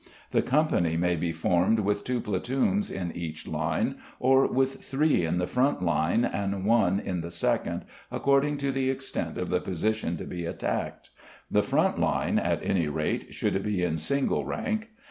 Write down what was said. The company may be formed with two platoons in each line, or with three in the front line and one in the second, according to the extent of the position to be attacked; the front line, at any rate, should be in single rank.